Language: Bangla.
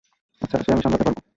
আচ্ছা, সে আমি সামলাতে পারব।